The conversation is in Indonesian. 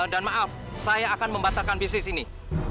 dan maaf saya akan membatalkan bisnis ini